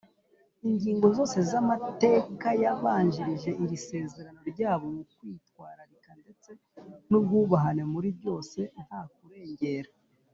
Ingingo zose z’amateka yabanjirije iri sezerano ryabo mu kwitwararika ndetse n’ubwubahane muri byose ntakurengera